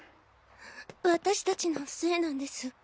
私達のせいなんです。